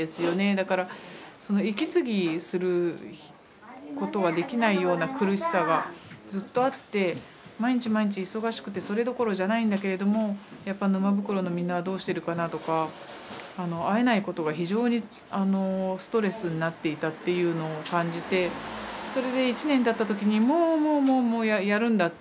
だから息継ぎすることができないような苦しさがずっとあって毎日毎日忙しくてそれどころじゃないんだけれどもやっぱ沼袋のみんなはどうしてるかなとか会えないことが非常にストレスになっていたっていうのを感じてそれで１年たった時にもうもうもうやるんだって。